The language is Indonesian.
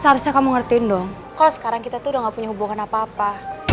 seharusnya kamu ngertiin dong kok sekarang kita tuh udah gak punya hubungan apa apa